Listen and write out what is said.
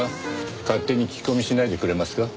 勝手に聞き込みしないでくれますか？